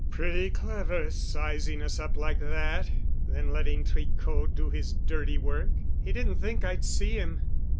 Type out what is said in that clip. "Pretty clever, sizing us up like that, then letting Tricot do his dirty work. He didn't think I'd see him.